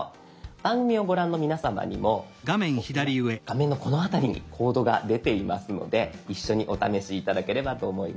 番組をご覧の皆さまにもこう今画面のこの辺りにコードが出ていますので一緒にお試し頂ければと思います。